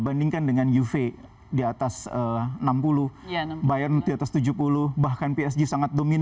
bandingkan dengan uv di atas enam puluh bayern di atas tujuh puluh bahkan psg sangat dominan